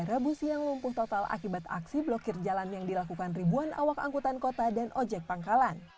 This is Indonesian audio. rabu siang lumpuh total akibat aksi blokir jalan yang dilakukan ribuan awak angkutan kota dan ojek pangkalan